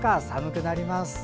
寒くなります。